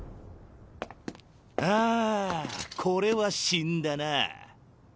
ああこれは死んだな。